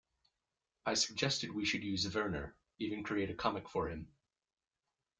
I suggested we should use Werner, even create a comic for him.